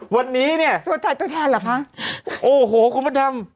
วันนี้เนี่ยตัวแทนตัวแทนเหรอคะโอ้โหคุณพระดำ